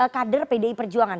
kader pdi perjuangan